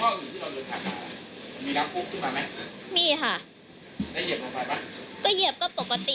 แล้วก็มีที่เราเริ่มทัดต่อมีน้ำพลุกขึ้นมาไหม